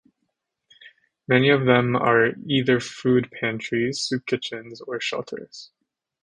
Many of them our either food pantries, soup kitchens or shelters.